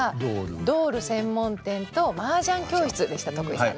「ドール専門店」と「麻雀教室」でした徳井さんの。